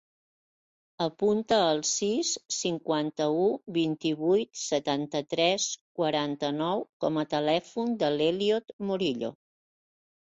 Apunta el sis, cinquanta-u, vint-i-vuit, setanta-tres, quaranta-nou com a telèfon de l'Elliot Morillo.